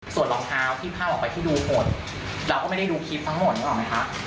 ส่วนรองเท้าที่พ่าออกไปที่ดูหมดเราก็ไม่ได้ดูคลิปทั้งหมดนะครับ